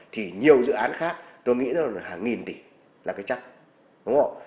thì nhiều dự án khác tôi nghĩ là hàng nghìn tỷ là cái chắc đúng không